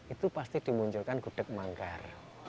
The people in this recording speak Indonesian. itu pasti dimunculkan gudeg manggar